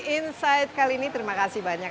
insight kali ini terima kasih banyak